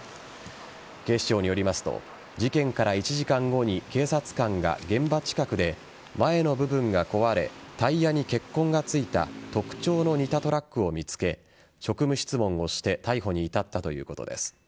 警視庁によりますと事件から１時間後に警察官が現場近くで、前の部分が壊れタイヤに血痕が付いた特徴の似たトラックを見つけ職務質問をして逮捕に至ったということです。